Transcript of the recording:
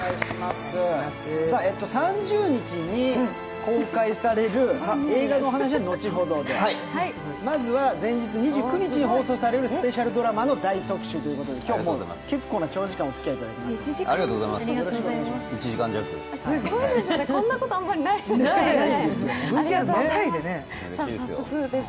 ３０日に公開される映画のお話は後ほどで、まずは前日２９日に放送されるスペシャルドラマの大特集ということで今日、結構な長時間おつきあいいただきます。